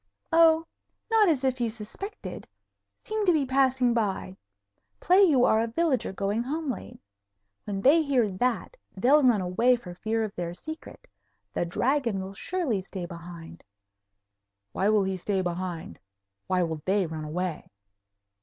"Oh, not as if you suspected. Seem to be passing by. Play you are a villager going home late. When they hear that, they'll run away for fear of their secret. The Dragon will surely stay behind." "Why will he stay behind? Why will they run away?"